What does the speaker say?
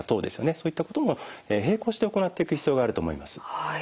そういったことも並行して行っていく必要があると思います。